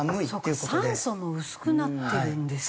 そうか酸素も薄くなってるんですよね。